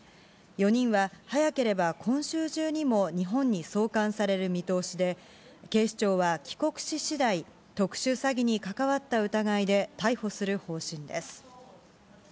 ４人は早ければ今週中にも日本に送還される見通しで、警視庁は帰国ししだい、特殊詐欺に関わった疑いで逮捕する方針です。